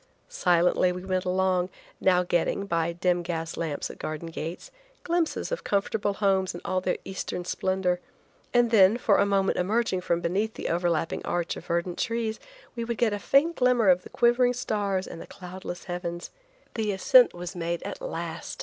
Silently we went along, now getting, by dim gas lamps at garden gates, glimpses of comfortable homes in all their Eastern splendor, and then, for a moment emerging from beneath the over lapping arch of verdant trees, we would get a faint glimmer of the quivering stars and cloudless heavens. The ascent was made at last.